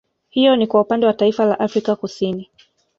Hiyo ni kwa Upande wa Taifa la Afrika Kusini